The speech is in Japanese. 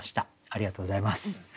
ありがとうございます。